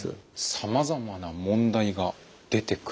さまざまな問題が出てくるんですね。